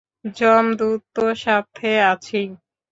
যমদূত তো সাথে আছেই।